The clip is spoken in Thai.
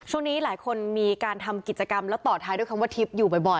ช่วงนี้หลายคนมีการทำกิจกรรมแล้วต่อท้ายด้วยคำว่าทิพย์อยู่บ่อย